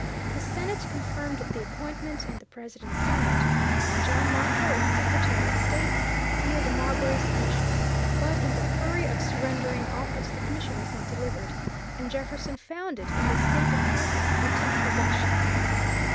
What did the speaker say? The Senate confirmed the appointment, and the President signed, and John Marshall, as Secretary of State, sealed Marbury's commission; but in the hurry of surrendering office the commission was not delivered, and Jefferson found it in the State Department when he took possession.